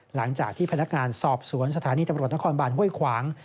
หลังจากที่พนักงานสอบสวนสถานีตำรวจนครบานห้วยขวาง